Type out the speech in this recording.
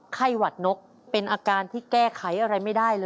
หวัดนกเป็นอาการที่แก้ไขอะไรไม่ได้เลย